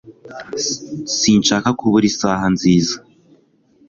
Sinshaka kubura isaha nziza